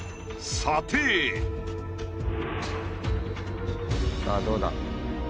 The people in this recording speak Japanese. さあどうだ？